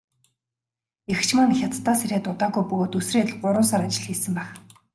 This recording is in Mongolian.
Эгч маань Хятадаас ирээд удаагүй бөгөөд үсрээд л гурван сар ажил хийсэн байх.